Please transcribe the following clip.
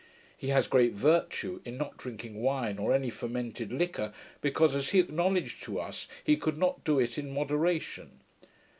He has great virtue, in not drinking wine or any fermented liquor, because, as he acknowledged to us, he could not do it in moderation.